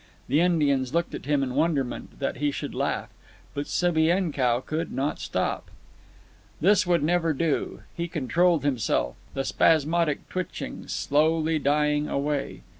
The Indians looked at him in wonderment that he should laugh. But Subienkow could not stop. This would never do. He controlled himself, the spasmodic twitchings slowly dying away.